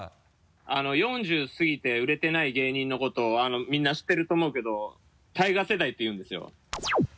４０過ぎて売れてない芸人のことをみんな知ってると思うけど「ＴＡＩＧＡ世代」っていうんですよ。